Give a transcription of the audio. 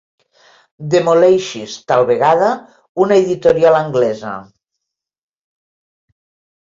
Demoleixis, tal vegada una editorial anglesa.